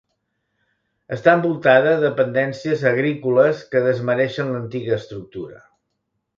Està envoltada de dependències agrícoles que desmereixen l'antiga estructura.